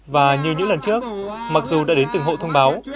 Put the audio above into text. và như những lần trước mặc dù đã đến từng hộ thông báo